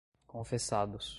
confessados